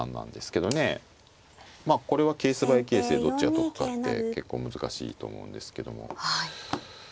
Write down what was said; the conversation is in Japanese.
まあこれはケースバイケースでどっちが得かって結構難しいと思うんですけども。